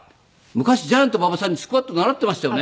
昔ジャイアント馬場さんにスクワット習っていましたよね？